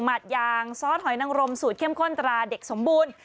หัดยางซอสหอยนังรมสูตรเข้มข้นตราเด็กสมบูรณ์